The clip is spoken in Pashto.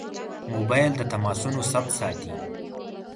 موبایل د تماسونو ثبت ساتي.